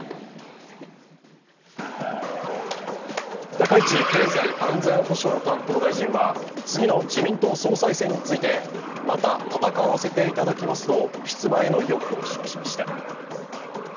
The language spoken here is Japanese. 高市経済安全保障担当大臣は次の自民党総裁選についてまた戦わせていただきますと出馬への意欲を示しました。